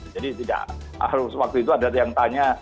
jadi tidak harus waktu itu ada yang tanya